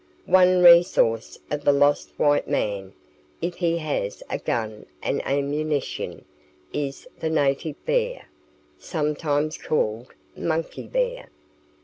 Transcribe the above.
One resource of the lost white man, if he has a gun and ammunition, is the native bear, sometimes called monkey bear.